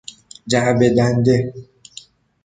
جعبه دنده